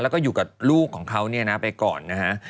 แล้วก็อยู่กับลูกของเขาเนี่ยนะไปก่อนนะฮะ